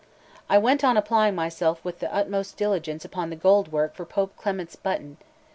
LI I WENT on applying myself with the utmost diligence upon the gold work for Pope Clement's button.